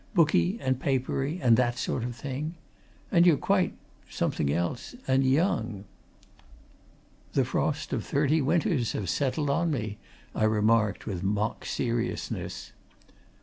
"Booky, and papery, and that sort of thing. And you're quite something else and young!" "The frost of thirty winters have settled on me," I remarked with mock seriousness.